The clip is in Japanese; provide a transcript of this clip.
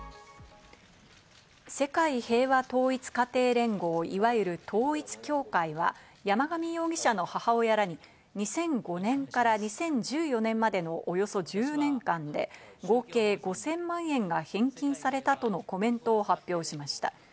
世界平和統一家庭連合、いわゆる統一教会は山上容疑者の母親らに２００５年から２０１４年までのおよそ１０年間で、合計５０００万円が返金されたとのコメントを発表しました。